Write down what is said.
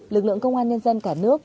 lực lượng công an nhân dân cả nước